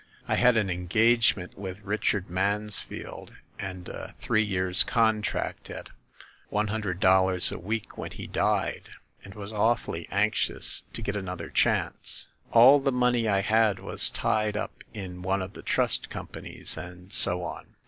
I had an engagement with Richard Mansfield and a three years' contract at one hundred dollars a week when he died, and was awfully anxious to get another chance. All the money I had was tied up in one of the trust companies, and so on.